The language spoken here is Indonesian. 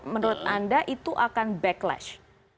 menurut anda itu akan backlash